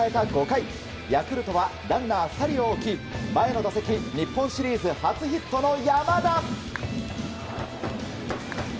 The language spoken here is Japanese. ５回ヤクルトはランナー２人を置き前の打席日本シリーズ初ヒットの山田！